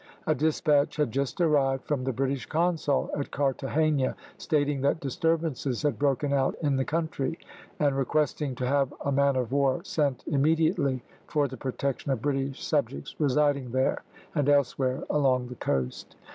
A despatch had just arrived from the British consul at Carthagena, stating that disturbances had broken out in the country, and requesting to have a man of war sent immediately, for the protection of British subjects residing there, and elsewhere along the coast.